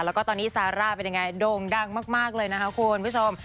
แล้วก็ตอนนี้ซาร่าเป็นยังไงโด่งดังมากเลยนะคะคุณผู้ชม